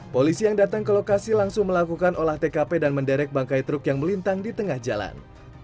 polisi yang datang ke lokasi langsung melakukan olah tkp dan menderek bangkai truk yang melintang di tengah jalan